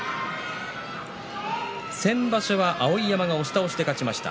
先場所は碧山が押し倒しで勝ちました。